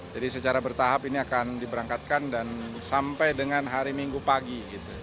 jadi secara bertahap ini akan diberangkatkan dan sampai dengan hari minggu pagi